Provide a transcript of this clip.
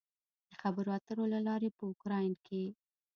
د خبرو اترو له لارې په اوکراین کې